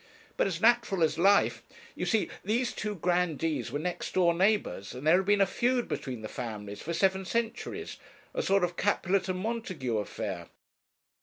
'But as natural as life. You see these two grandees were next door neighbours, and there had been a feud between the families for seven centuries a sort of Capulet and Montague affair.